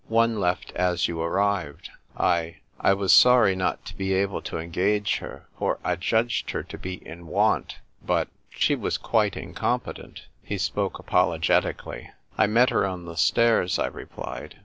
One left as you arrived. I — I was sorry not to be able to engage her ; for I judged her to be in want ; but — she was quite incompetent." He spoke apologetically. " I met her on the stairs," I replied.